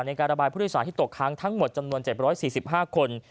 ในการระบายผู้โดยสารที่ตกค้างทั้งหมดจำนวนเจ็บร้อยสี่สิบห้าคน